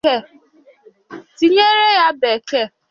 tínyéré bekee